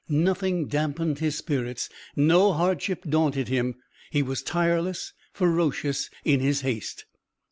Nothing dampened his spirits, no hardship daunted him; he was tireless, ferocious in his haste.